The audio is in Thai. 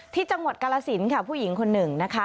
ที่จังหวัดกาลสินค่ะผู้หญิงคนหนึ่งนะคะ